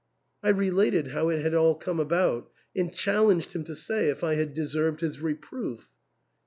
I related how it had all come about, and challenged him to say if I had deserved his reproof.